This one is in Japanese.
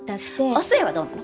お寿恵はどうなの？